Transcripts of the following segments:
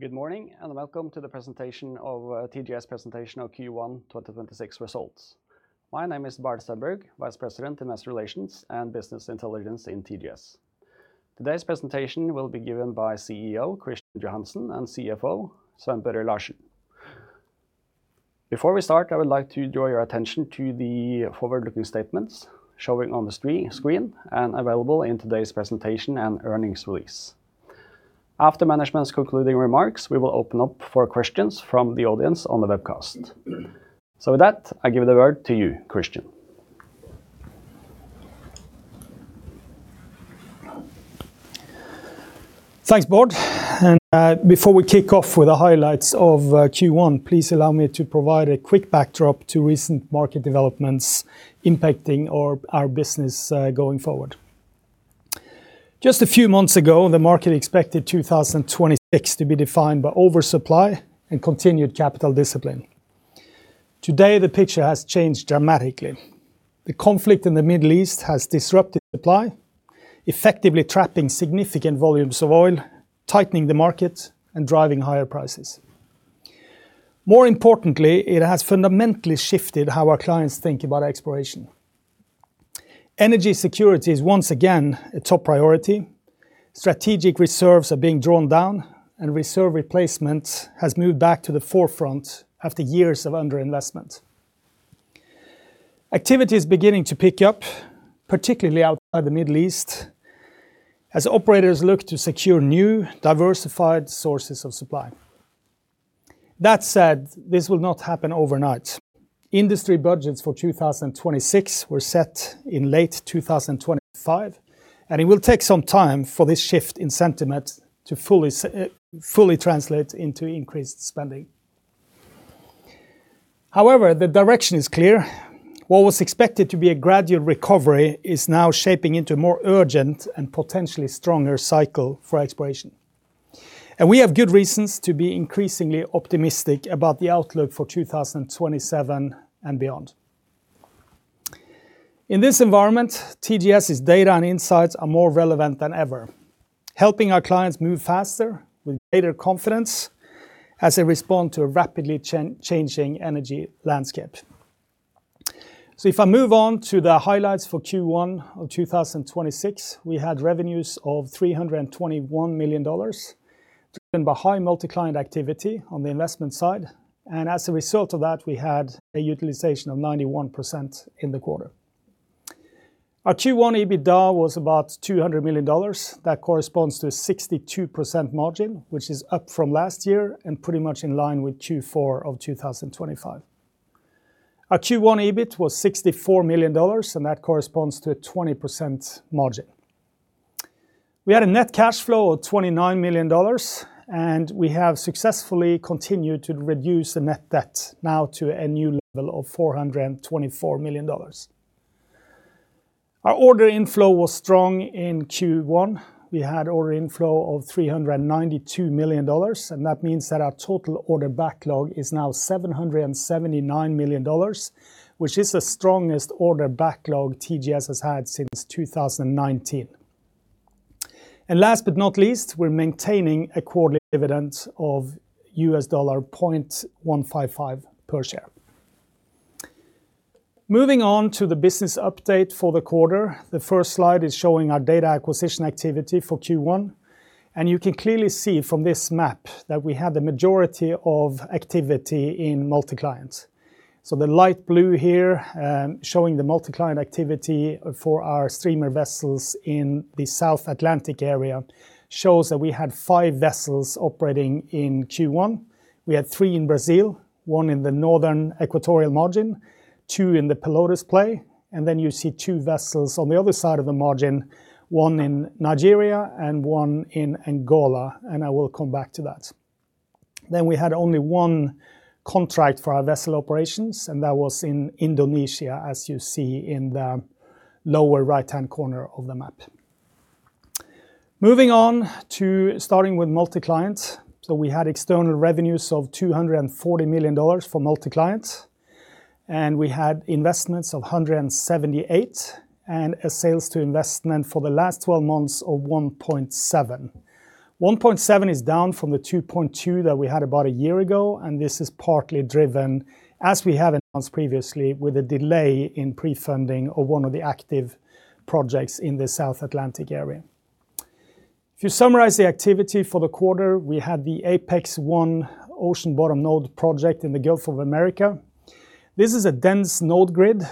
Good morning, and welcome to the presentation of TGS presentation of Q1 2026 results. My name is Bård Stenberg, Vice President, Investor Relations and Business Intelligence in TGS. Today's presentation will be given by CEO Kristian Johansen and CFO Sven Børre Larsen. Before we start, I would like to draw your attention to the forward-looking statements showing on the screen and available in today's presentation and earnings release. After management's concluding remarks, we will open up for questions from the audience on the webcast. With that, I give the word to you, Kristian. Thanks, Bård. Before we kick off with the highlights of Q1, please allow me to provide a quick backdrop to recent market developments impacting our business going forward. Just a few months ago, the market expected 2026 to be defined by oversupply and continued capital discipline. Today, the picture has changed dramatically. The conflict in the Middle East has disrupted supply, effectively trapping significant volumes of oil, tightening the market and driving higher prices. More importantly, it has fundamentally shifted how our clients think about exploration. Energy security is once again a top priority. Strategic reserves are being drawn down, and reserve replacement has moved back to the forefront after years of underinvestment. Activity is beginning to pick up, particularly outside the Middle East, as operators look to secure new diversified sources of supply. That said, this will not happen overnight. Industry budgets for 2026 were set in late 2025, it will take some time for this shift in sentiment to fully translate into increased spending. However, the direction is clear. What was expected to be a gradual recovery is now shaping into a more urgent and potentially stronger cycle for exploration. We have good reasons to be increasingly optimistic about the outlook for 2027 and beyond. In this environment, TGS' data and insights are more relevant than ever, helping our clients move faster with greater confidence as they respond to a rapidly changing energy landscape. If I move on to the highlights for Q1 of 2026, we had revenues of $321 million driven by high multi-client activity on the investment side, and as a result of that, we had a utilization of 91% in the quarter. Our Q1 EBITDA was about $200 million. That corresponds to a 62% margin, which is up from last year and pretty much in line with Q4 2025. Our Q1 EBIT was $64 million. That corresponds to a 20% margin. We had a net cash flow of $29 million. We have successfully continued to reduce the net debt now to a new level of $424 million. Our order inflow was strong in Q1. We had order inflow of $392 million. That means that our total order backlog is now $779 million, which is the strongest order backlog TGS has had since 2019. Last but not least, we're maintaining a quarterly dividend of $0.155 per share. Moving on to the business update for the quarter. The first slide is showing our data acquisition activity for Q1. You can clearly see from this map that we have the majority of activity in multi-client. The light blue here, showing the multi-client activity for our streamer vessels in the South Atlantic area shows that we had five vessels operating in Q1. We had three in Brazil, one in the Equatorial Margin, two in the Pelotas Play, you see two vessels on the other side of the margin, one in Nigeria and one in Angola, and I will come back to that. We had only one contract for our vessel operations, and that was in Indonesia, as you see in the lower right-hand corner of the map. Moving on to starting with multi-client. We had external revenues of $240 million for multi-client, and we had investments of $178 and a sales to investment for the last 12 months of 1.7. 1.7 is down from the 2.2 that we had about a year ago. This is partly driven, as we have announced previously, with a delay in pre-funding of one of the active projects in the South Atlantic area. If you summarize the activity for the quarter, we had the APEX 1 ocean bottom node project in the Gulf of America. This is a dense node grid.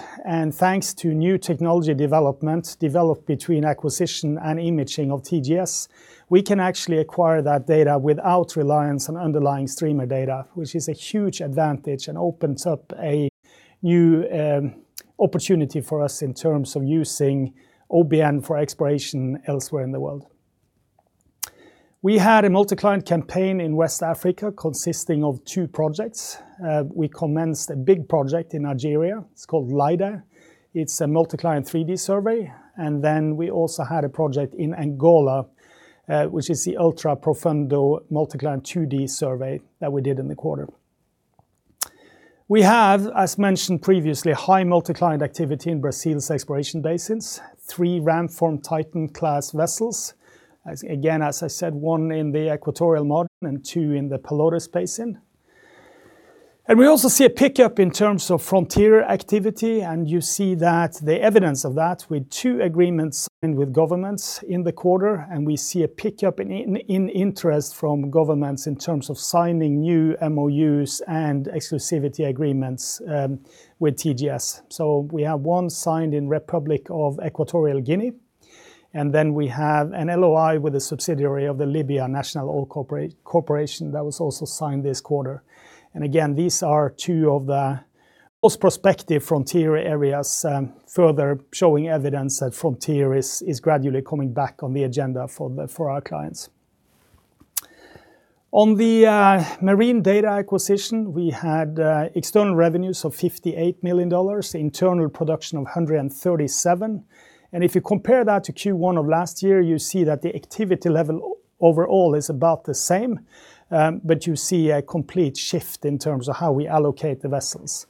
Thanks to new technology development developed between acquisition and imaging of TGS, we can actually acquire that data without reliance on underlying streamer data, which is a huge advantage and opens up a new opportunity for us in terms of using OBN for exploration elsewhere in the world. We had a multi-client campaign in West Africa consisting of two projects. We commenced a big project in Nigeria. It's called Laide. It's a multi-client 3D survey. Then we also had a project in Angola, which is the Ultra Profundo multi-client 2D survey that we did in the quarter. We have, as mentioned previously, high multi-client activity in Brazil's exploration basins. Three Ramform Titan-class vessels. As again, as I said, one in the Equatorial Margin and two in the Pelotas Basin. We also see a pickup in terms of frontier activity, and you see that the evidence of that with two agreements signed with governments in the quarter, and we see a pickup in interest from governments in terms of signing new MOUs and exclusivity agreements with TGS. We have one signed in Republic of Equatorial Guinea, then we have an LOI with a subsidiary of the Libyan National Oil Corporation that was also signed this quarter. These are two of the most prospective frontier areas, further showing evidence that frontier is gradually coming back on the agenda for the, for our clients. On the marine data acquisition, we had external revenues of $58 million, internal production of $137 million. If you compare that to Q1 of last year, you see that the activity level overall is about the same. You see a complete shift in terms of how we allocate the vessels.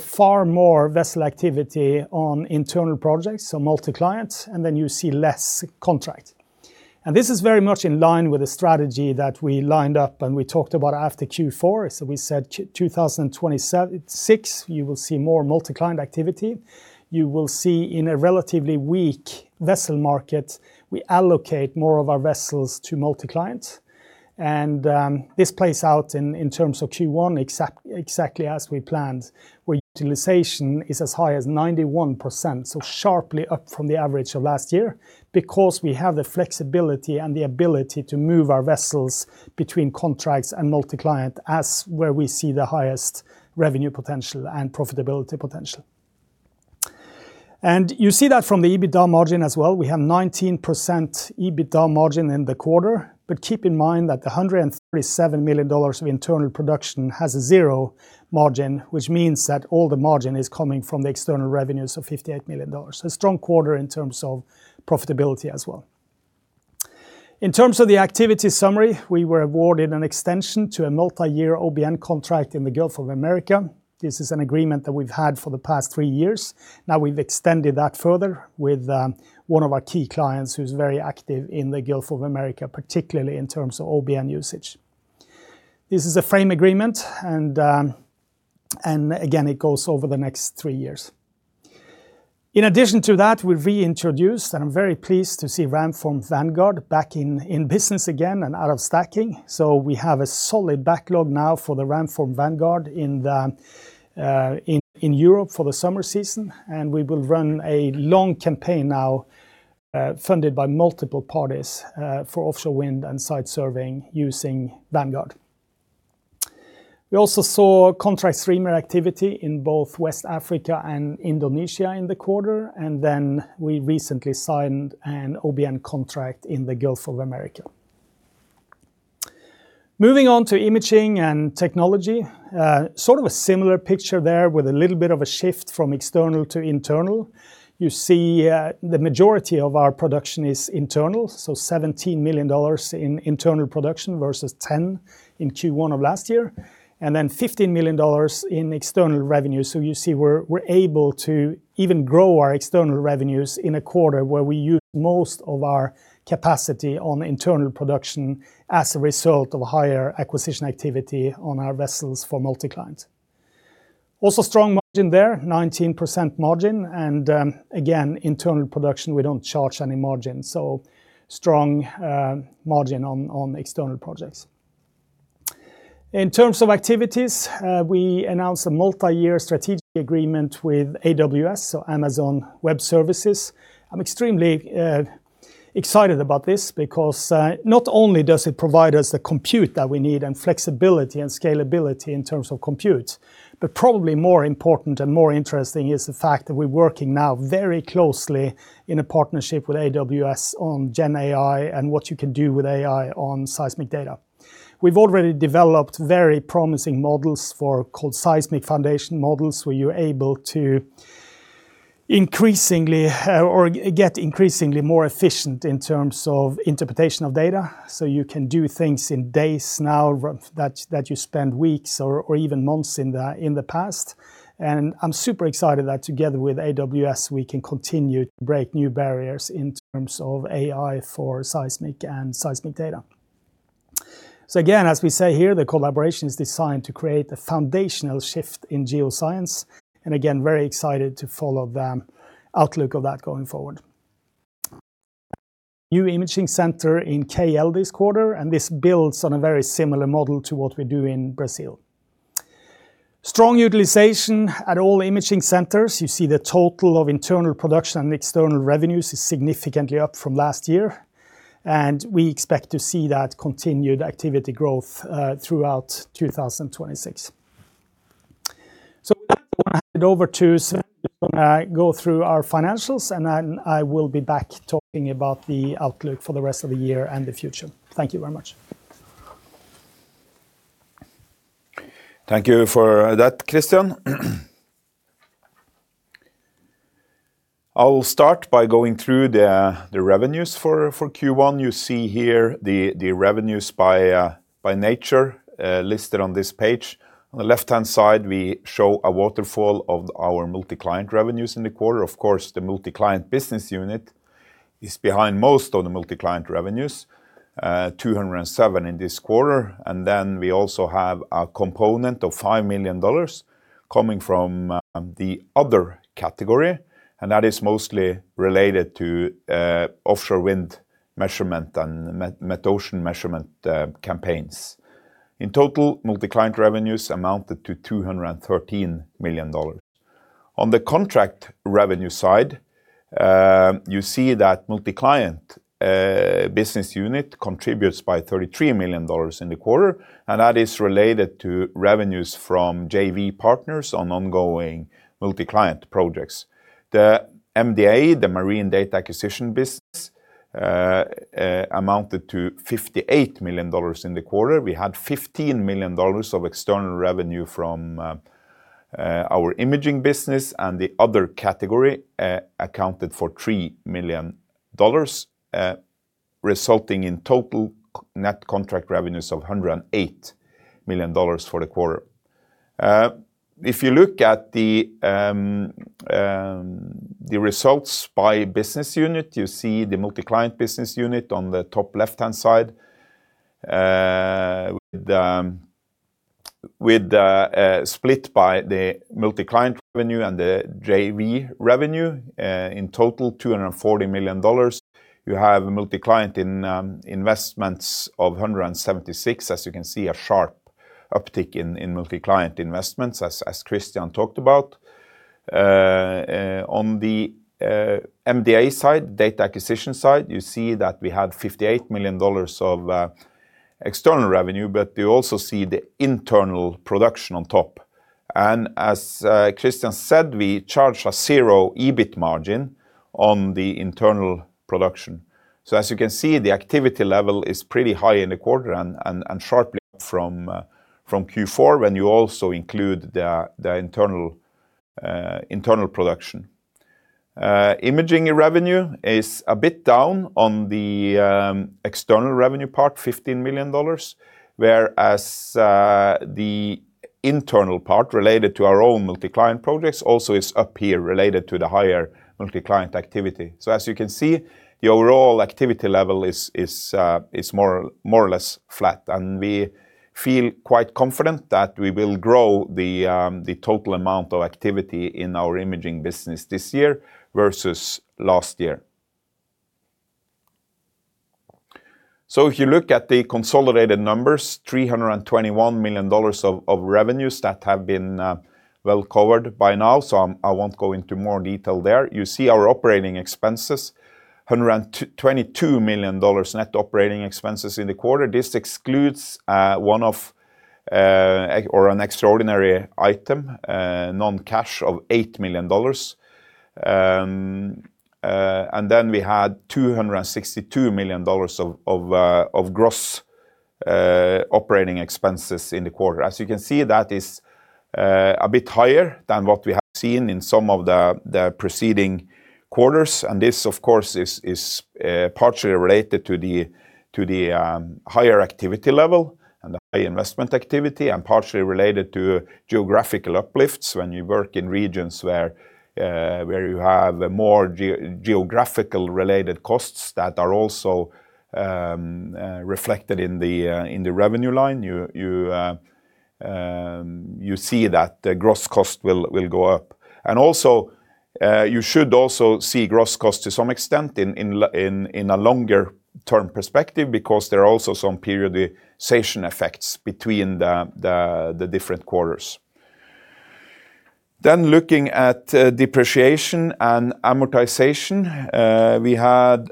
Far more vessel activity on internal projects, so multi-client, you see less contract. This is very much in line with the strategy that we lined up and we talked about after Q4. We said 2026, you will see more multi-client activity. You will see in a relatively weak vessel market, we allocate more of our vessels to multi-client. This plays out in terms of Q1 exactly as we planned, where utilization is as high as 91%, so sharply up from the average of last year because we have the flexibility and the ability to move our vessels between contracts and multi-client as where we see the highest revenue potential and profitability potential. You see that from the EBITDA margin as well. We have 19% EBITDA margin in the quarter. Keep in mind that the $137 million of internal production has a zero margin, which means that all the margin is coming from the external revenues of $58 million. A strong quarter in terms of profitability as well. In terms of the activity summary, we were awarded an extension to a multi-year OBN contract in the Gulf of America. This is an agreement that we've had for the past three years. Now we've extended that further with one of our key clients who's very active in the Gulf of America, particularly in terms of OBN usage. This is a frame agreement, and again, it goes over the next three years. In addition to that, we reintroduced, I'm very pleased to see Ramform Vanguard back in business again and out of stacking. We have a solid backlog now for the Ramform Vanguard in Europe for the summer season, and we will run a long campaign now, funded by multiple parties, for offshore wind and site surveying using Vanguard. We also saw contract streamer activity in both West Africa and Indonesia in the quarter. We recently signed an OBN contract in the Gulf of America. Moving on to imaging and technology, sort of a similar picture there with a little bit of a shift from external to internal. You see, the majority of our production is internal, $17 million in internal production versus $10 in Q1 of last year, $15 million in external revenue. You see we're able to even grow our external revenues in a quarter where we use most of our capacity on internal production as a result of higher acquisition activity on our vessels for multi-client. Strong margin there, 19% margin, and again, internal production, we don't charge any margin, strong margin on external projects. In terms of activities, we announced a multi-year strategic agreement with AWS, so Amazon Web Services. I'm extremely excited about this because not only does it provide us the compute that we need and flexibility and scalability in terms of compute, but probably more important and more interesting is the fact that we're working now very closely in a partnership with AWS on Gen AI and what you can do with AI on seismic data. We've already developed very promising models for called seismic foundation models, where you're able to increasingly or get increasingly more efficient in terms of interpretation of data. You can do things in days now that you spend weeks or even months in the past. I'm super excited that together with AWS, we can continue to break new barriers in terms of AI for seismic and seismic data. Again, as we say here, the collaboration is designed to create a foundational shift in geoscience, and again, very excited to follow the outlook of that going forward. New imaging center in KL this quarter, and this builds on a very similar model to what we do in Brazil. Strong utilization at all imaging centers. You see the total of internal production and external revenues is significantly up from last year, and we expect to see that continued activity growth throughout 2026. With that I want to hand it over to Sven who's gonna go through our financials, and then I will be back talking about the outlook for the rest of the year and the future. Thank you very much. Thank you for that, Kristian. I'll start by going through the revenues for Q1. You see here the revenues by nature listed on this page. On the left-hand side, we show a waterfall of our MultiClient revenues in the quarter. Of course, the MultiClient business unit is behind most of the MultiClient revenues, $207 in this quarter. Then we also have a component of $5 million coming from the other category, and that is mostly related to offshore wind measurement and Metocean measurement campaigns. In total, MultiClient revenues amounted to $213 million. On the contract revenue side, you see that MultiClient business unit contributes by $33 million in the quarter, and that is related to revenues from JV partners on ongoing MultiClient projects. The MDA, the Marine data acquisition business, amounted to $58 million in the quarter. We had $15 million of external revenue from our imaging business and the other category accounted for $3 million, resulting in total net contract revenues of $108 million for the quarter. If you look at the results by Business Unit, you see the MultiClient Business Unit on the top left-hand side, with the split by the MultiClient revenue and the JV revenue, in total $240 million. You have MultiClient investments of $176 million. As you can see, a sharp uptick in MultiClient investments, as Kristian talked about. On the MDA side, data acquisition side, you see that we had $58 million of external revenue, but you also see the internal production on top. As Kristian said, we charge a zero EBIT margin on the internal production. As you can see, the activity level is pretty high in the quarter and sharply up from Q4 when you also include the internal production. Imaging revenue is a bit down on the external revenue part, $15 million, whereas the internal part related to our own multi-client projects also is up here related to the higher multi-client activity. As you can see, the overall activity level is more or less flat. We feel quite confident that we will grow the total amount of activity in our imaging business this year versus last year. If you look at the consolidated numbers, $321 million of revenues that have been well covered by now, I won't go into more detail there. You see our operating expenses, $122 million net operating expenses in the quarter. This excludes one-off or an extraordinary item, non-cash of $8 million. We had $262 million of gross operating expenses in the quarter. As you can see, that is a bit higher than what we have seen in some of the preceding quarters. This, of course, is partially related to the higher activity level and the high investment activity and partially related to geographical uplifts. When you work in regions where you have more geographical-related costs that are also reflected in the revenue line, you see that the gross cost will go up. Also, you should also see gross cost to some extent in a longer-term perspective because there are also some periodization effects between the different quarters. Looking at depreciation and amortization, we had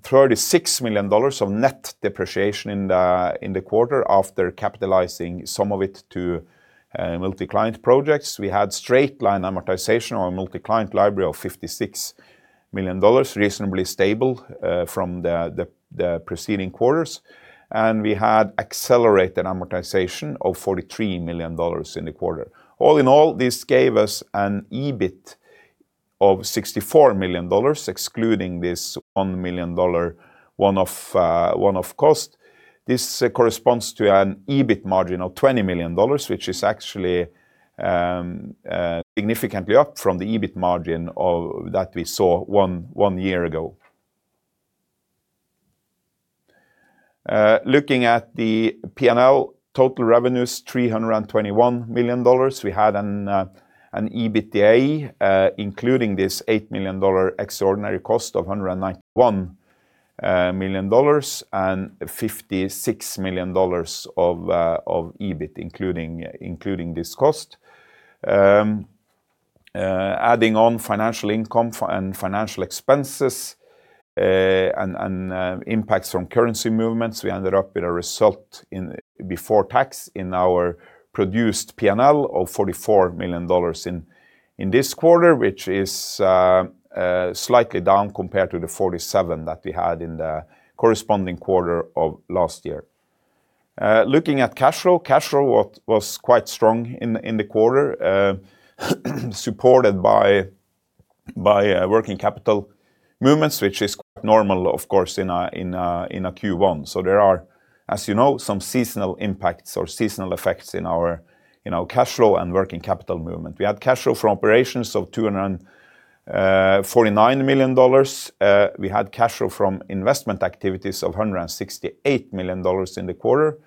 $36 million of net depreciation in the quarter after capitalizing some of it to MultiClient projects. We had straight-line amortization on our multi-client library of $56 million, reasonably stable from the preceding quarters. We had accelerated amortization of $43 million in the quarter. All in all, this gave us an EBIT of $64 million, excluding this $1 million one-off cost. This corresponds to an EBIT margin of $20 million, which is actually significantly up from the EBIT margin that we saw one year ago. Looking at the P&L total revenues, $321 million. We had an EBITDA, including this $8 million extraordinary cost of $191 million and $56 million of EBIT including this cost. Adding on financial income and financial expenses, and impacts from currency movements, we ended up with a result in, before tax in our produced P&L of $44 million in this quarter, which is slightly down compared to the 47 that we had in the corresponding quarter of last year. Looking at cash flow, cash flow was quite strong in the quarter, supported by working capital movements, which is quite normal, of course, in a Q1. There are, as you know, some seasonal impacts or seasonal effects in our, you know, cash flow and working capital movement. We had cash flow from operations of $249 million. We had cash flow from investment activities of $168 million in the quarter.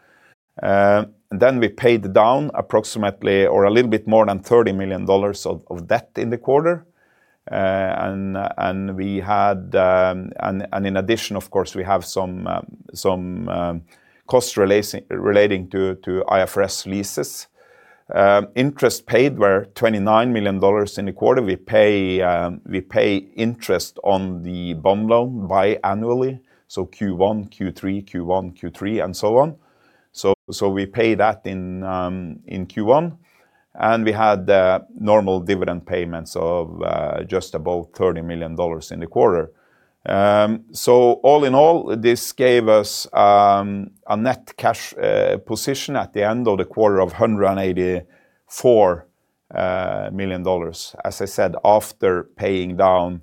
We paid down approximately or a little bit more than $30 million of debt in the quarter. We had, and in addition, of course, we have some cost relating to IFRS leases. Interest paid were $29 million in the quarter. We pay interest on the bond loan biannually, so Q1, Q3, Q1, Q3, and so on. We pay that in Q1. We had normal dividend payments of just above $30 million in the quarter. All in all, this gave us a net cash position at the end of the quarter of $184 million, as I said, after paying down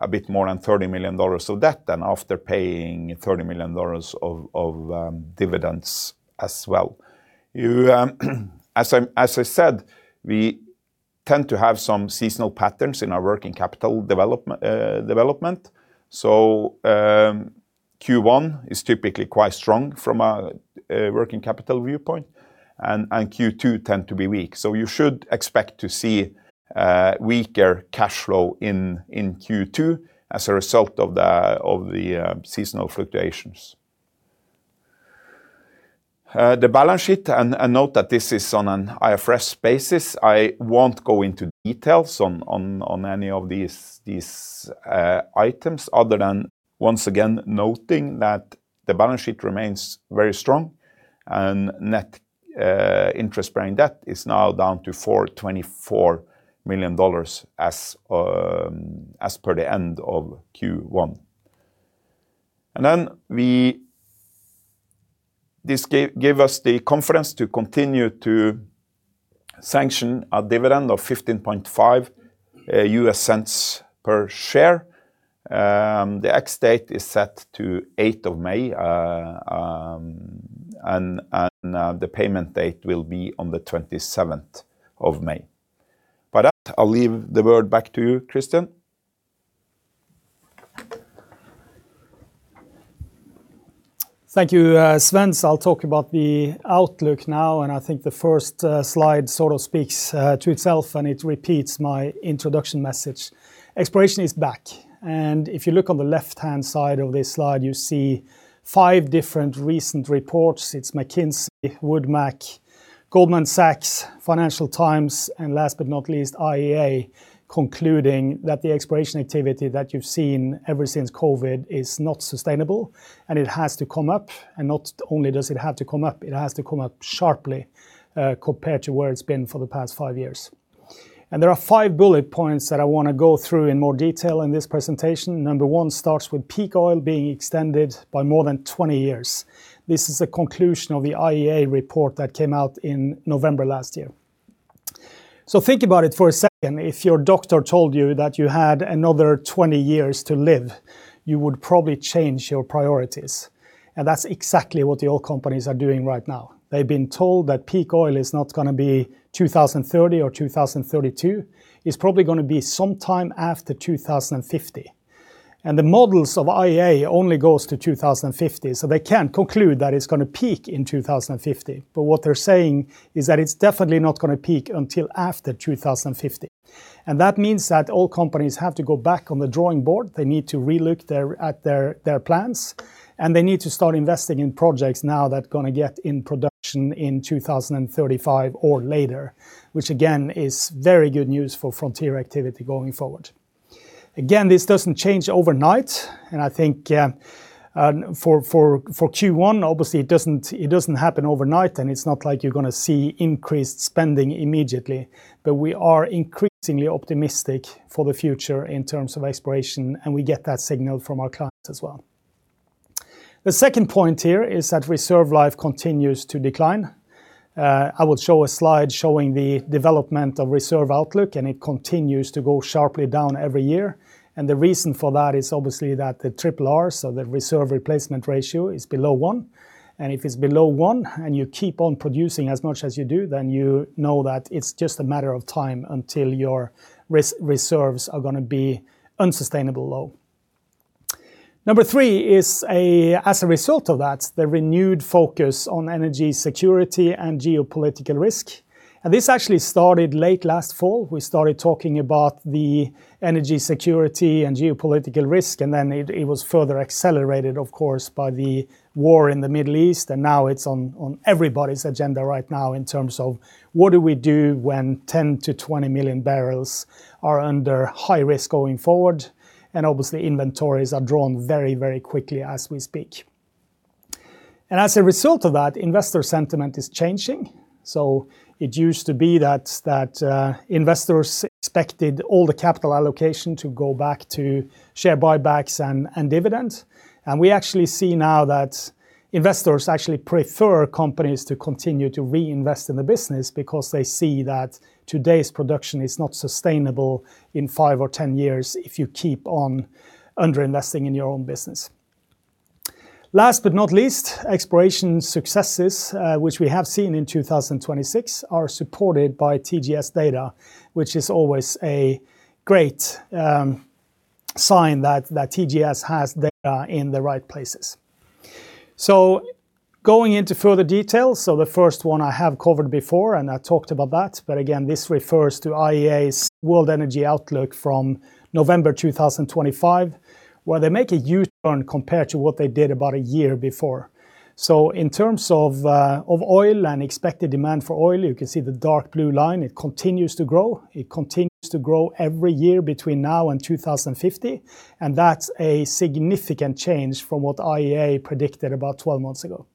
a bit more than $30 million of debt, then after paying $30 million of dividends as well. You, as I said, we tend to have some seasonal patterns in our working capital development. Q1 is typically quite strong from a working capital viewpoint, and Q2 tend to be weak. You should expect to see weaker cash flow in Q2 as a result of the seasonal fluctuations. The balance sheet, and note that this is on an IFRS basis. I won't go into details on any of these items other than, once again, noting that the balance sheet remains very strong and net interest-bearing debt is now down to $424 million as per the end of Q1. This gave us the confidence to continue to sanction a dividend of $0.155 per share. The ex-date is set to 8th of May. The payment date will be on the 27th of May. I'll leave the word back to you, Kristian. Thank you, Sven. I'll talk about the outlook now. I think the first slide sort of speaks to itself, and it repeats my introduction message. Exploration is back. If you look on the left-hand side of this slide, you see five different recent reports. It's McKinsey, WoodMac, Goldman Sachs, Financial Times, and last but not least, IEA concluding that the exploration activity that you've seen ever since COVID is not sustainable, and it has to come up. Not only does it have to come up, it has to come up sharply compared to where it's been for the past five years. There are five bullet points that I wanna go through in more detail in this presentation. Number one starts with peak oil being extended by more than 20 years. This is a conclusion of the IEA report that came out in November last year. Think about it for a second. If your doctor told you that you had another 20 years to live, you would probably change your priorities, and that's exactly what the oil companies are doing right now. They've been told that peak oil is not gonna be 2030 or 2032. It's probably gonna be sometime after 2050. The models of IEA only goes to 2050, so they can't conclude that it's gonna peak in 2050. What they're saying is that it's definitely not gonna peak until after 2050, and that means that oil companies have to go back on the drawing board. They need to relook at their plans, They need to start investing in projects now that are gonna get in production in 2035 or later, which again, is very good news for frontier activity going forward. This doesn't change overnight, I think for Q1, obviously it doesn't happen overnight, it's not like you're gonna see increased spending immediately. We are increasingly optimistic for the future in terms of exploration, we get that signal from our clients as well. The second point here is that reserve life continues to decline. I will show a slide showing the development of reserve outlook, it continues to go sharply down every year. The reason for that is obviously that the RRR, so the Reserve Replacement Ratio, is below 1. If it's below one and you keep on producing as much as you do, then you know that it's just a matter of time until your reserves are going to be unsustainable low. Number three is, as a result of that, the renewed focus on energy security and geopolitical risk. This actually started late last fall. We started talking about the energy security and geopolitical risk, and then it was further accelerated, of course, by the war in the Middle East, and now it's on everybody's agenda right now in terms of what do we do when 10 million-20 million bbl are under high risk going forward, and obviously inventories are drawn very, very quickly as we speak. As a result of that, investor sentiment is changing. It used to be that investors expected all the capital allocation to go back to share buybacks and dividends. We actually see now that investors actually prefer companies to continue to reinvest in the business because they see that today's production is not sustainable in five or 10 years if you keep on under-investing in your own business. Last but not least, exploration successes, which we have seen in 2026 are supported by TGS data, which is always a great sign that TGS has data in the right places. Going into further detail, the first one I have covered before, and I talked about that, but again this refers to IEA's World Energy Outlook from November 2025, where they make a U-turn compared to what they did about a year before. In terms of oil and expected demand for oil, you can see the dark blue line, it continues to grow. It continues to grow every year between now and 2050, and that's a significant change from what IEA predicted about 12 months ago.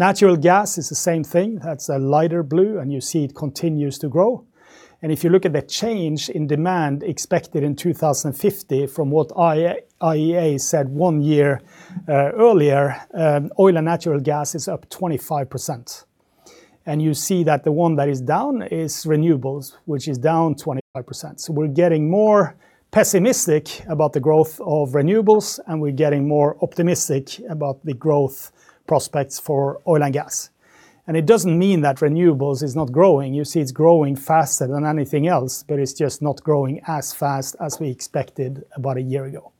Natural gas is the same thing. That's a lighter blue, and you see it continues to grow. If you look at the change in demand expected in 2050 from what IEA said one year earlier, oil and natural gas is up 25%. You see that the one that is down is renewables, which is down 25%. We're getting more pessimistic about the growth of renewables, and we're getting more optimistic about the growth prospects for oil and gas. It doesn't mean that renewables is not growing. You see it's growing faster than anything else, but it's just not growing as fast as we expected about a year ago.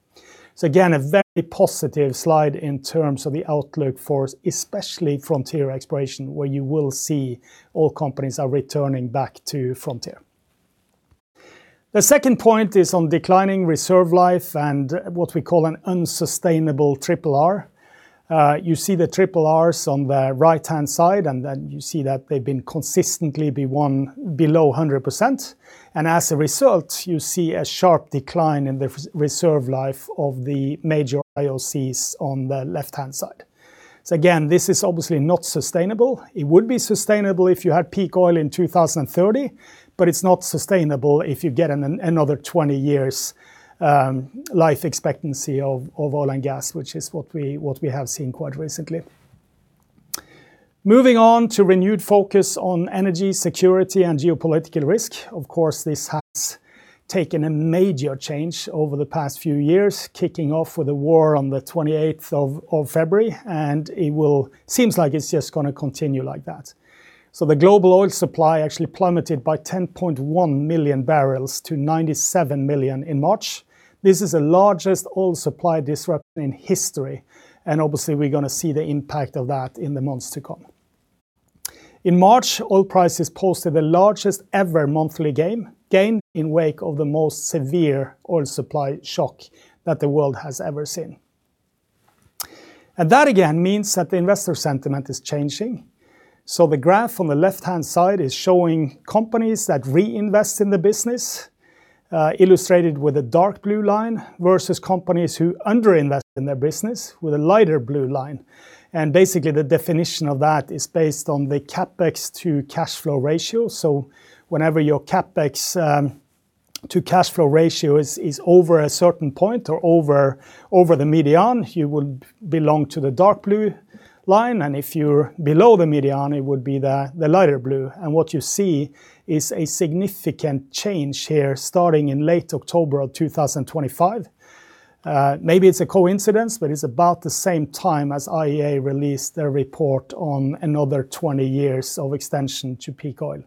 Again, a very positive slide in terms of the outlook for especially frontier exploration, where you will see oil companies are returning back to frontier. The second point is on declining reserve life and what we call an unsustainable RRR. You see the RRRs on the right-hand side, and then you see that they've been consistently below 100%. As a result, you see a sharp decline in the reserve life of the major IOCs on the left-hand side. Again, this is obviously not sustainable. It would be sustainable if you had peak oil in 2030, but it's not sustainable if you get another 20 years' life expectancy of oil and gas, which is what we have seen quite recently. Moving on to renewed focus on energy security and geopolitical risk. Of course, this has taken a major change over the past few years, kicking off with the war on the 28th of February. It seems like it's just gonna continue like that. The global oil supply actually plummeted by 10.1 million bbl to 97 million in March. This is the largest oil supply disruption in history, and obviously we're gonna see the impact of that in the months to come. In March, oil prices posted the largest ever monthly gain in wake of the most severe oil supply shock that the world has ever seen. That again means that the investor sentiment is changing. The graph on the left-hand side is showing companies that reinvest in the business, illustrated with a dark blue line, versus companies who under-invest in their business with a lighter blue line. Basically the definition of that is based on the CapEx to cash flow ratio. Whenever your CapEx to cash flow ratio is over a certain point or over the median, you would belong to the dark blue line, and if you're below the median, it would be the lighter blue. What you see is a significant change here starting in late October of 2025. Maybe it's a coincidence, but it's about the same time as IEA released their report on another 20 years of extension to peak oil.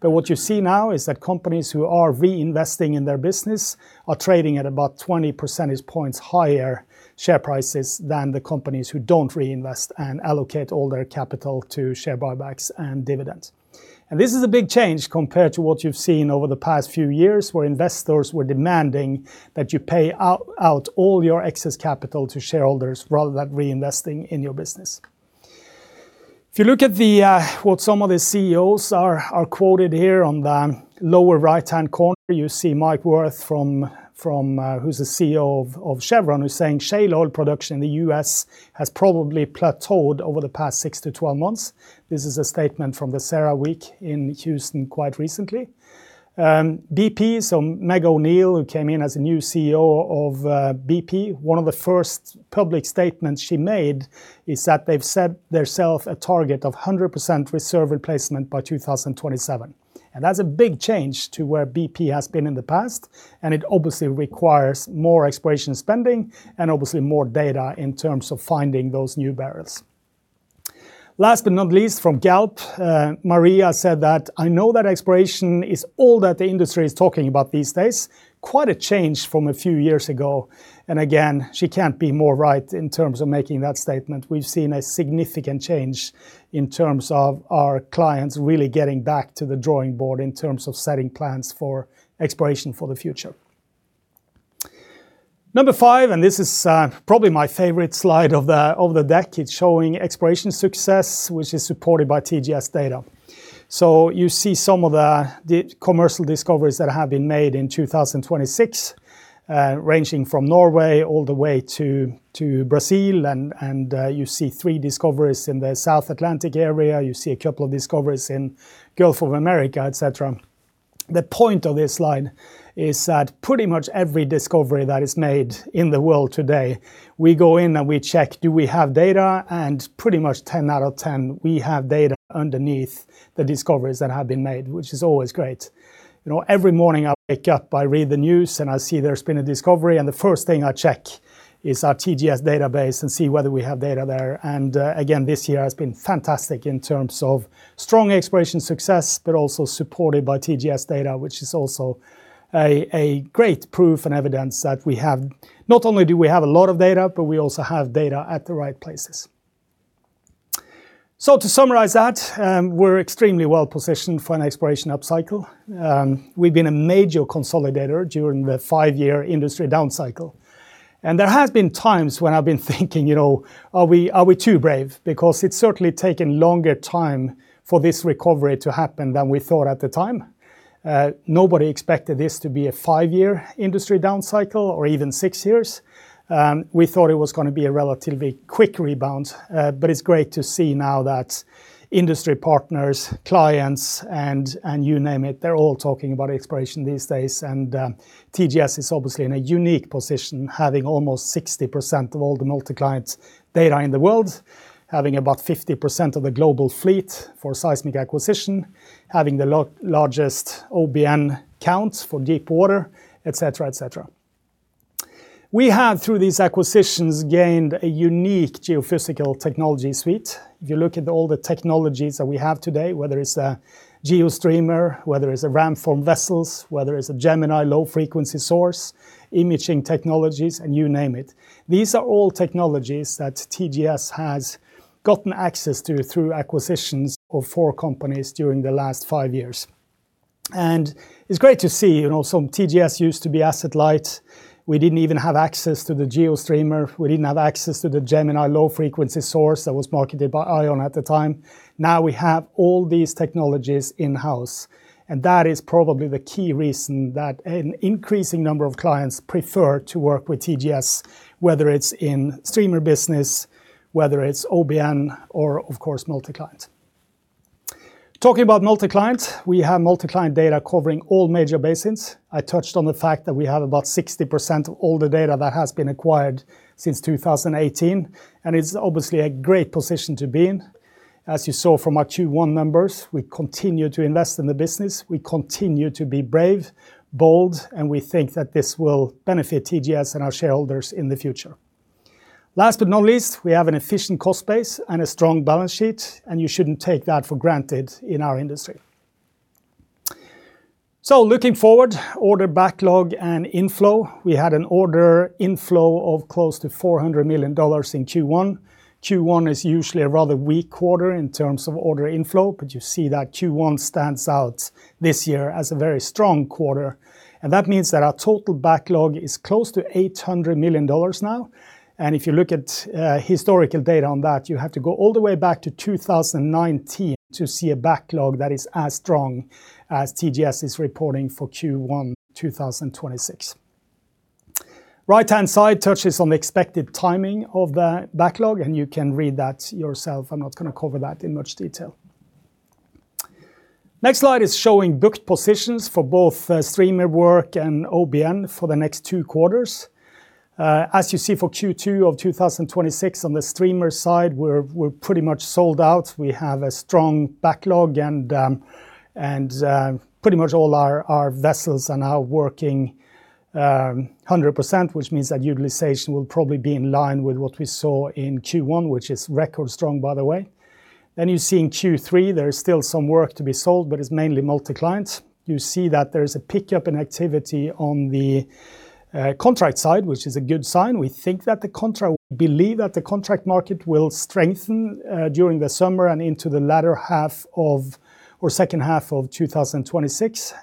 What you see now is that companies who are reinvesting in their business are trading at about 20 percentage points higher share prices than the companies who don't reinvest and allocate all their capital to share buybacks and dividends. This is a big change compared to what you've seen over the past few years, where investors were demanding that you pay out all your excess capital to shareholders rather than reinvesting in your business. If you look at what some of the CEOs are quoted here on the lower right-hand corner, you see Mike Wirth, who's the CEO of Chevron, who's saying shale oil production in the U.S. has probably plateaued over the past six to 12 months. This is a statement from the CERAWeek in Houston quite recently. BP, Meg O'Neill, who came in as the new CEO of BP, one of the first public statements she made is that they've set their self a target of 100% reserve replacement by 2027. That's a big change to where BP has been in the past, and it obviously requires more exploration spending and obviously more data in terms of finding those new barrels. Last but not least, from Galp, Maria said that, "I know that exploration is all that the industry is talking about these days. Quite a change from a few years ago." Again, she can't be more right in terms of making that statement. We've seen a significant change in terms of our clients really getting back to the drawing board in terms of setting plans for exploration for the future. Number five, this is probably my favorite slide of the deck. It's showing exploration success, which is supported by TGS data. You see some of the commercial discoveries that have been made in 2026, ranging from Norway all the way to Brazil, and you see three discoveries in the South Atlantic area, you see two discoveries in Gulf of America, et cetera. The point of this slide is that pretty much every discovery that is made in the world today, we go in and we check, do we have data? Pretty much 10 out of 10 we have data underneath the discoveries that have been made, which is always great. You know, every morning I wake up, I read the news, and I see there's been a discovery, and the first thing I check is our TGS database and see whether we have data there. Again, this year has been fantastic in terms of strong exploration success, but also supported by TGS data, which is also a great proof and evidence that we have. Not only do we have a lot of data, but we also have data at the right places. To summarize that, we're extremely well-positioned for an exploration upcycle. We've been a major consolidator during the five-year industry downcycle. There has been times when I've been thinking you know, are we, are we too brave? Because it's certainly taken longer time for this recovery to happen than we thought at the time. Nobody expected this to be a five-year industry downcycle or even six years. We thought it was gonna be a relatively quick rebound. It's great to see now that industry partners, clients, and you name it, they're all talking about exploration these days. TGS is obviously in a unique position, having almost 60% of all the multi-client data in the world, having about 50% of the global fleet for seismic acquisition, having the largest OBN counts for deep water, et cetera, et cetera. We have, through these acquisitions, gained a unique geophysical technology suite. If you look at all the technologies that we have today, whether it's a GeoStreamer, whether it's a Ramform vessels, whether it's a Gemini low-frequency source, imaging technologies, and you name it, these are all technologies that TGS has gotten access to through acquisitions of four companies during the last five years. It's great to see, you know. TGS used to be asset light. We didn't even have access to the GeoStreamer. We didn't have access to the Gemini low-frequency source that was marketed by ION at the time. Now we have all these technologies in-house, and that is probably the key reason that an increasing number of clients prefer to work with TGS, whether it's in streamer business, whether it's OBN or, of course, multi-client. Talking about multi-client, we have multi-client data covering all major basins. I touched on the fact that we have about 60% of all the data that has been acquired since 2018. It's obviously a great position to be in. As you saw from our Q1 numbers, we continue to invest in the business. We continue to be brave, bold. We think that this will benefit TGS and our shareholders in the future. Last but not least, we have an efficient cost base and a strong balance sheet. You shouldn't take that for granted in our industry. Looking forward, order backlog and inflow. We had an order inflow of close to $400 million in Q1. Q1 is usually a rather weak quarter in terms of order inflow. You see that Q1 stands out this year as a very strong quarter. That means that our total backlog is close to $800 million now. If you look at historical data on that, you have to go all the way back to 2019 to see a backlog that is as strong as TGS is reporting for Q1 2026. Right-hand side touches on the expected timing of the backlog, and you can read that yourself. I'm not gonna cover that in much detail. Next slide is showing booked positions for both streamer work and OBN for the next two quarters. As you see for Q2 2026 on the streamer side, we're pretty much sold out. We have a strong backlog and pretty much all our vessels are now working 100% which means that utilization will probably be in line with what we saw in Q1, which is record strong, by the way. You see in Q3 there is still some work to be sold, but it's mainly multi-client. You see that there is a pickup in activity on the contract side, which is a good sign. We believe that the contract market will strengthen during the summer and into the latter half of or second half of 2026.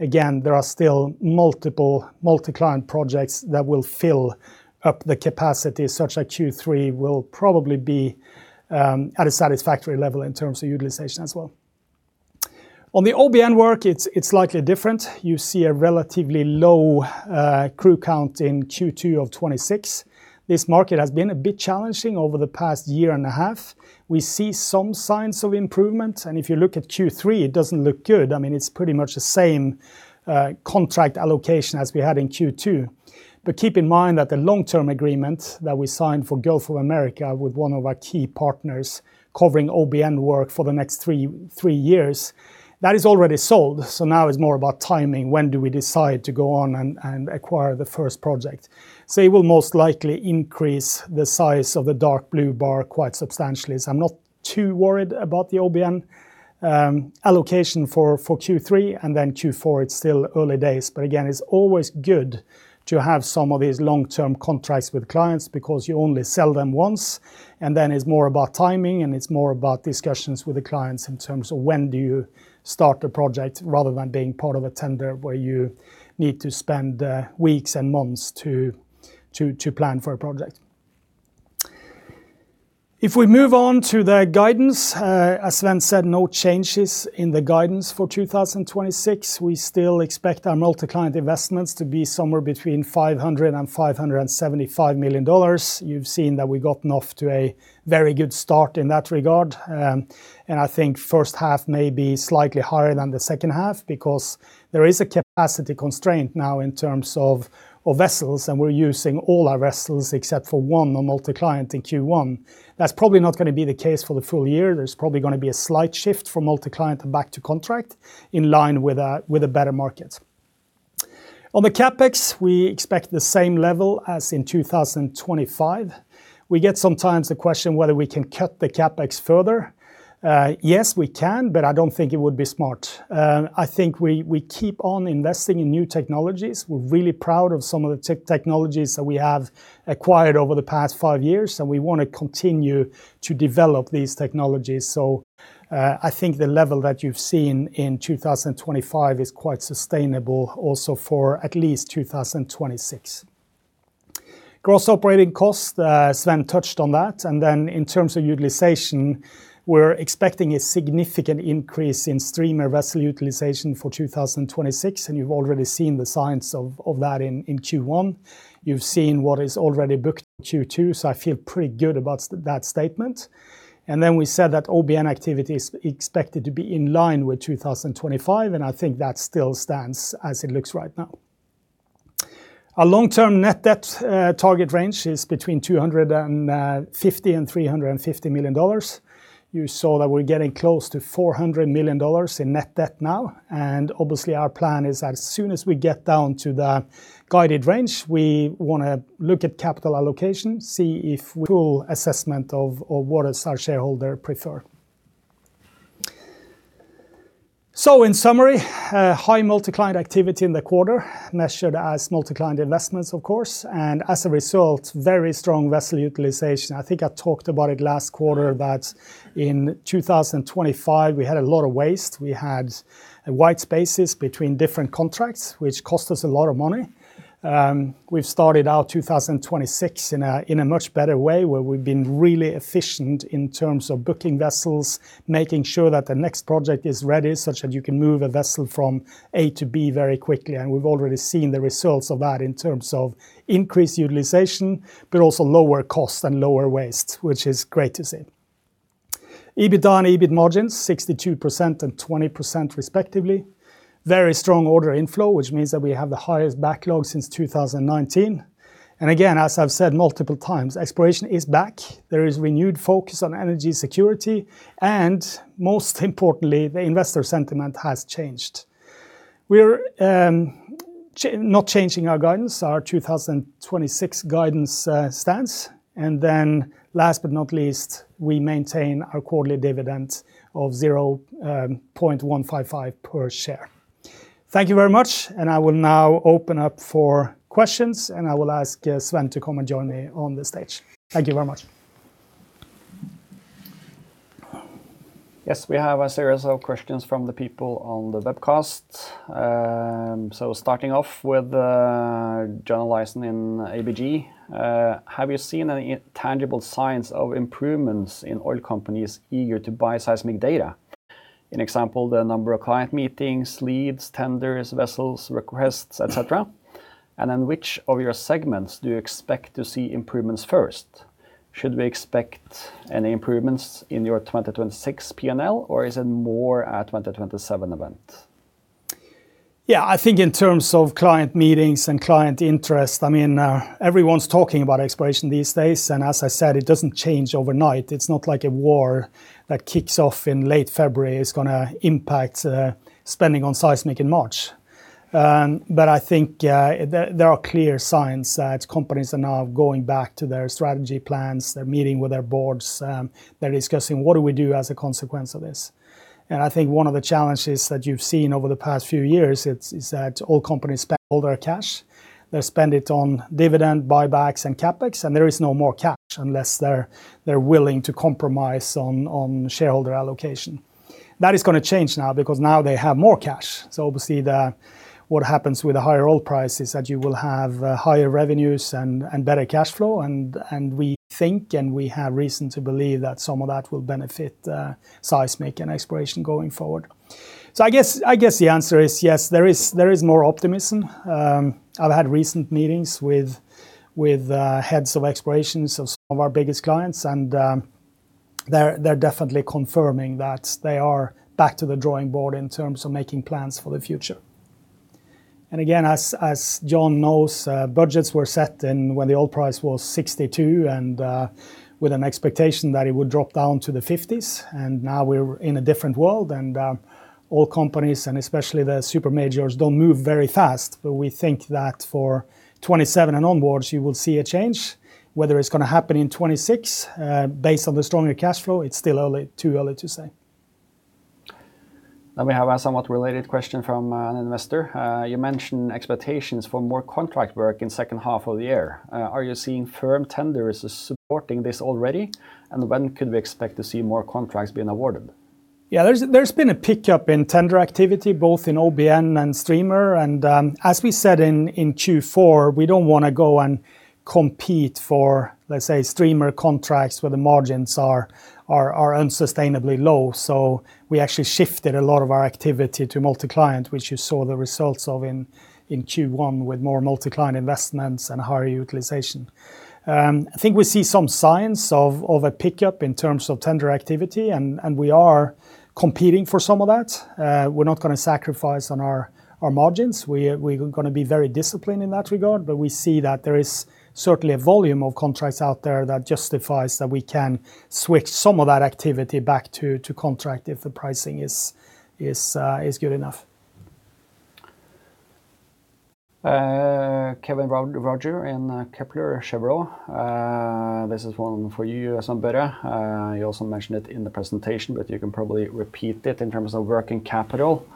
Again, there are still multiple multi-client projects that will fill up the capacity, such that Q3 will probably be at a satisfactory level in terms of utilization as well. On the OBN work, it's slightly different. You see a relatively low crew count in Q2 of 2026. This market has been a bit challenging over the past year and a half. We see some signs of improvement. If you look at Q3, it doesn't look good. I mean, it's pretty much the same contract allocation as we had in Q2. Keep in mind that the long-term agreement that we signed for Gulf of America with one of our key partners covering OBN work for the next three years, that is already sold. Now it's more about timing. When do we decide to go on and acquire the first project? It will most likely increase the size of the dark blue bar quite substantially. I'm not too worried about the OBN allocation for Q3 and then Q4. It's still early days. It's always good to have some of these long-term contracts with clients because you only sell them once. It's more about timing, and it's more about discussions with the clients in terms of when do you start the project rather than being part of a tender where you need to spend weeks and months to plan for a project. If we move on to the guidance, as Sven said, no changes in the guidance for 2026. We still expect our multi-client investments to be somewhere between $500 million-$575 million. You've seen that we've gotten off to a very good start in that regard. I think first half may be slightly higher than the second half because there is a capacity constraint now in terms of vessels, and we're using all our vessels except for one on multi-client in Q1. That's probably not gonna be the case for the full year. There's probably gonna be a slight shift from multi-client back to contract in line with a better market. On the CapEx, we expect the same level as in 2025. We get sometimes a question whether we can cut the CapEx further. Yes, we can, I don't think it would be smart. I think we keep on investing in new technologies. We're really proud of some of the technologies that we have acquired over the past five years, and we wanna continue to develop these technologies. I think the level that you've seen in 2025 is quite sustainable also for at least 2026. Gross operating cost, Sven touched on that. In terms of utilization, we're expecting a significant increase in streamer vessel utilization for 2026, and you've already seen the signs of that in Q1. You've seen what is already booked in Q2, so I feel pretty good about that statement. We said that OBN activity is expected to be in line with 2025, and I think that still stands as it looks right now. Our long-term net debt target range is between $250 million and $350 million. You saw that we're getting close to $400 million in net debt now. Obviously our plan is as soon as we get down to the guided range, we wanna look at capital allocation, see if full assessment of what does our shareholder prefer. In summary, a high multi-client activity in the quarter measured as multi-client investments, of course. As a result, very strong vessel utilization. I think I talked about it last quarter that in 2025, we had a lot of waste. We had wide spaces between different contracts, which cost us a lot of money. We've started out 2026 in a much better way, where we've been really efficient in terms of booking vessels, making sure that the next project is ready, such that you can move a vessel from A to B very quickly. We've already seen the results of that in terms of increased utilization, but also lower cost and lower waste, which is great to see. EBITDA and EBIT margins, 62% and 20% respectively. Very strong order inflow, which means that we have the highest backlog since 2019. Again, as I've said multiple times, exploration is back. There is renewed focus on energy security, and most importantly, the investor sentiment has changed. We're not changing our guidance, our 2026 guidance stance. Last but not least, we maintain our quarterly dividend of $0.155 per share. Thank you very much, and I will now open up for questions, and I will ask Sven to come and join me on the stage. Thank you very much. Yes, we have a series of questions from the people on the webcast. Starting off with John Olaisen in ABG. Have you seen any tangible signs of improvements in oil companies eager to buy seismic data? In example, the number of client meetings, leads, tenders, vessels, requests, et cetera. In which of your segments do you expect to see improvements first? Should we expect any improvements in your 2026 P&L, or is it more a 2027 event? I think in terms of client meetings and client interest, everyone's talking about exploration these days. As I said, it doesn't change overnight. It's not like a war that kicks off in late February is gonna impact spending on seismic in March. I think there are clear signs that companies are now going back to their strategy plans. They're meeting with their boards. They're discussing what do we do as a consequence of this. I think one of the challenges that you've seen over the past few years is that oil companies spent all their cash. They spend it on dividend, buybacks, and CapEx. There is no more cash unless they're willing to compromise on shareholder allocation. That is gonna change now because now they have more cash. What happens with the higher oil price is that you will have higher revenues and better cash flow, and we think, and we have reason to believe that some of that will benefit seismic and exploration going forward. I guess the answer is yes, there is more optimism. I've had recent meetings with heads of explorations of some of our biggest clients, and they're definitely confirming that they are back to the drawing board in terms of making plans for the future. Again, as John knows, budgets were set in when the oil price was 62, and with an expectation that it would drop down to the 50s, and now we're in a different world, and oil companies and especially the super majors don't move very fast. We think that for 2027 and onwards you will see a change. Whether it's gonna happen in 2026, based on the stronger cash flow, it's still early, too early to say. We have a somewhat related question from an investor. You mentioned expectations for more contract work in second half of the year. Are you seeing firm tenders supporting this already? When could we expect to see more contracts being awarded? Yeah, there's been a pickup in tender activity both in OBN and streamer. As we said in Q4, we don't wanna go and compete for, let's say, streamer contracts where the margins are unsustainably low. We actually shifted a lot of our activity to multi-client, which you saw the results of in Q1 with more multi-client investments and higher utilization. I think we see some signs of a pickup in terms of tender activity and we are competing for some of that. We're not gonna sacrifice on our margins. We're gonna be very disciplined in that regard. We see that there is certainly a volume of contracts out there that justifies that we can switch some of that activity back to contract if the pricing is good enough. Kevin Roger in Kepler Cheuvreux, this is one for you, Sven Børre. You also mentioned it in the presentation, you can probably repeat it in terms of working capital.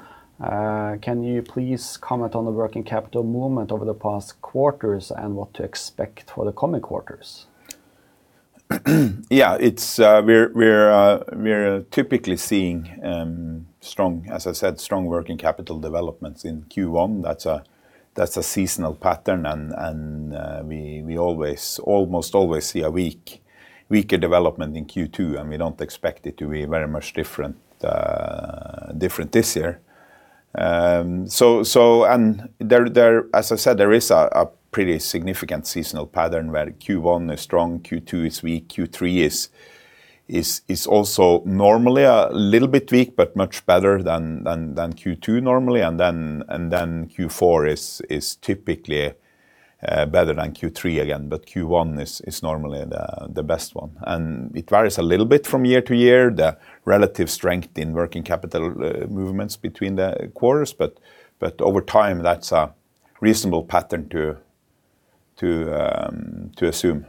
Can you please comment on the working capital movement over the past quarters and what to expect for the coming quarters? Yeah. It's, we're typically seeing, as I said, strong working capital developments in Q1. That's a seasonal pattern, we always, almost always see a weaker development in Q2, and we don't expect it to be very much different this year. There, as I said, there is a pretty significant seasonal pattern where Q1 is strong, Q2 is weak. Q3 is also normally a little bit weak but much better than Q2 normally. Q4 is typically better than Q3 again. Q1 is normally the best one. It varies a little bit from year to year, the relative strength in working capital movements between the quarters. Over time, that's a reasonable pattern to assume.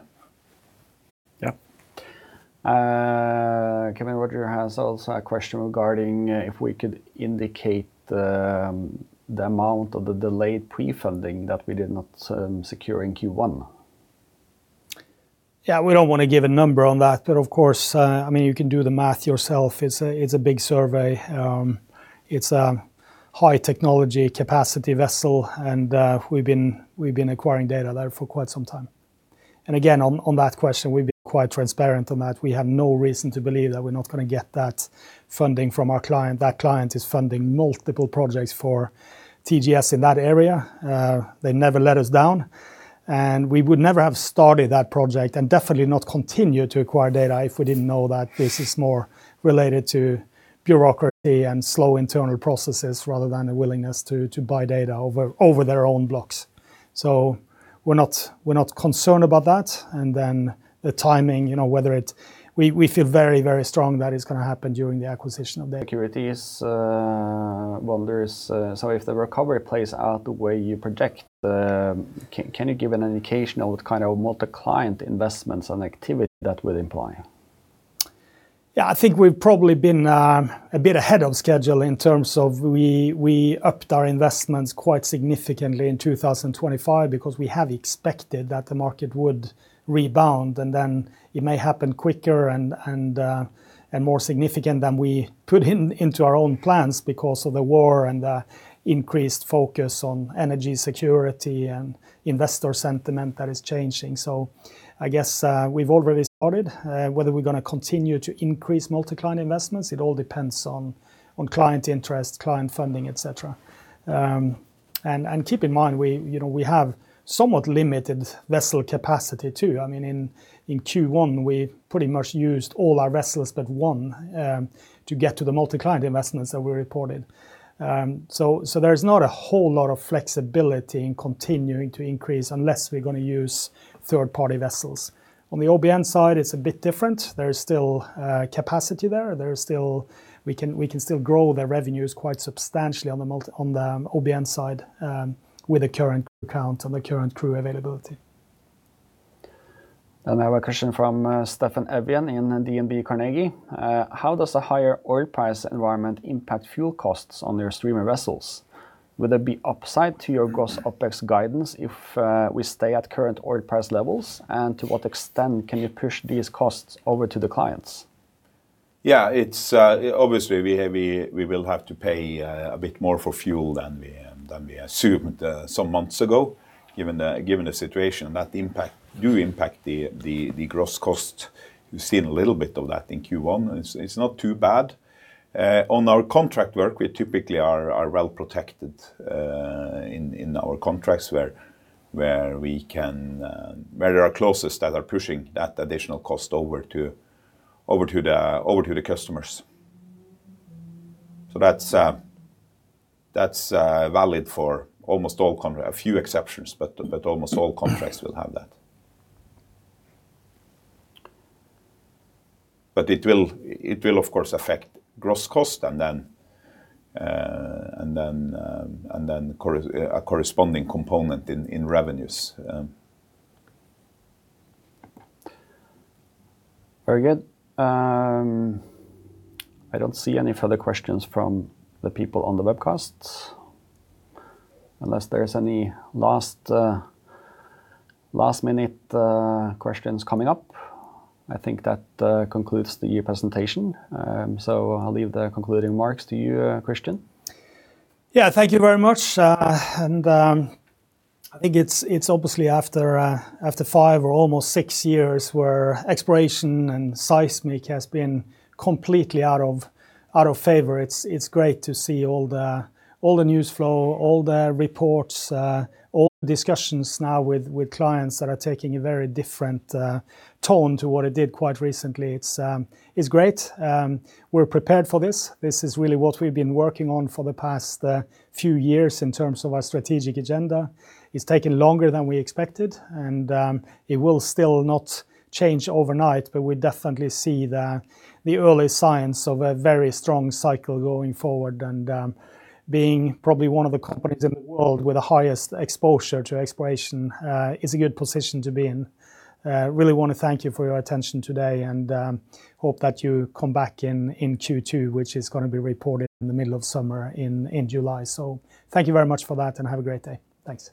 Yeah. Kevin Roger has also a question regarding if we could indicate the amount of the delayed prefunding that we did not secure in Q1. Yeah, we don't wanna give a number on that, but of course, I mean, you can do the math yourself. It's a big survey. It's a high technology capacity vessel, and we've been acquiring data there for quite some time. Again, on that question, we've been quite transparent on that. We have no reason to believe that we're not gonna get that funding from our client. That client is funding multiple projects for TGS in that area. They never let us down, and we would never have started that project and definitely not continue to acquire data if we didn't know that this is more related to bureaucracy and slow internal processes rather than a willingness to buy data over their own blocks. We're not concerned about that. We feel very, very strong that it's gonna happen during the acquisition of that. If the recovery plays out the way you project, can you give an indication of what kind of multi-client investments and activity that would imply? I think we've probably been a bit ahead of schedule in terms of we upped our investments quite significantly in 2025 because we have expected that the market would rebound, and then it may happen quicker and more significant than we put in, into our own plans because of the war and the increased focus on energy security and investor sentiment that is changing. I guess we've already started. Whether we're gonna continue to increase multi-client investments, it all depends on client interest, client funding, et cetera. And keep in mind, we, you know, we have somewhat limited vessel capacity too. I mean, in Q1, we pretty much used all our vessels but one to get to the multi-client investments that we reported. There's not a whole lot of flexibility in continuing to increase unless we're going to use third-party vessels. On the OBN side, it's a bit different. There is still capacity there. We can still grow the revenues quite substantially on the OBN side with the current count and the current crew availability. Now a question from Steffen Evjen in DNB Markets. How does a higher oil price environment impact fuel costs on your streamer vessels? Would there be upside to your gross OpEx guidance if we stay at current oil price levels? To what extent can you push these costs over to the clients? Yeah. It's obviously we will have to pay a bit more for fuel than we assumed some months ago given the situation, and that impact, do impact the gross cost. We've seen a little bit of that in Q1. It's not too bad. On our contract work, we typically are well protected in our contracts where we can where there are clauses that are pushing that additional cost over to the customers. That's valid for almost all a few exceptions, but almost all contracts will have that. It will of course affect gross cost and then a corresponding component in revenues. Very good. I don't see any further questions from the people on the webcast. Unless there's any last last-minute questions coming up, I think that concludes the presentation. I'll leave the concluding remarks to you, Kristian. Yeah. Thank you very much. I think it's obviously after five or almost six years where exploration and seismic has been completely out of, out of favor, it's great to see all the, all the news flow, all the reports, all the discussions now with clients that are taking a very different tone to what it did quite recently. It's great. We're prepared for this. This is really what we've been working on for the past few years in terms of our strategic agenda. It's taken longer than we expected and it will still not change overnight, but we definitely see the early signs of a very strong cycle going forward. Being probably one of the companies in the world with the highest exposure to exploration is a good position to be in. Really wanna thank you for your attention today and hope that you come back in Q2, which is gonna be reported in the middle of summer in July. Thank you very much for that, and have a great day. Thanks.